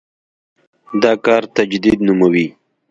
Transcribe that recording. دا کار تجدید نوموي.